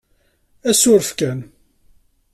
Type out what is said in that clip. Asuref kan.